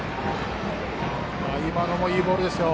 今のもいいボールですよ。